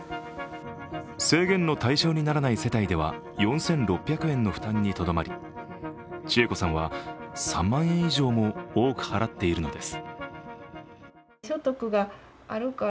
制限の対象にならない世帯では４６００円の負担にとどまり千恵子さんは３万円以上も多く払っているのです。